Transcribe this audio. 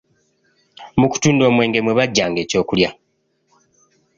Mu kutunda omwenge mwe baggyanga eky'okulya!